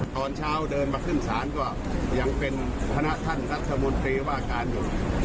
ตอนเช้าเดินมาขึ้นศาลก็ยังเป็นคณะท่านรัฐมนตรีว่าการอยู่